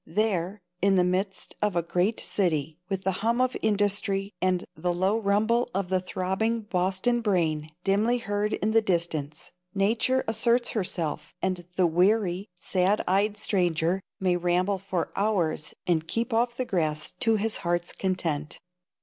There, in the midst of a great city, with the hum of industry and the low rumble of the throbbing Boston brain dimly heard in the distance, nature asserts herself, and the weary, sad eyed stranger may ramble for hours and keep off the grass to his heart's content.